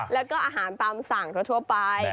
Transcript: แล้วก็อาหารตามสั่งทั่วไป